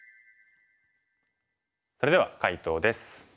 それでは解答です。